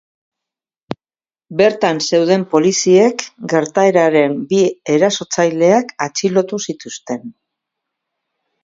Bertan zeuden poliziek gertaeraren bi erasotzaileak atxilotu zituzten.